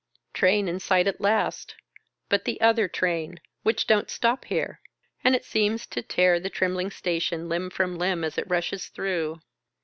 Train in sight at last — but the other train — which don't stop here — and it seems to tear the trembling station limb from limb, as it rushes through.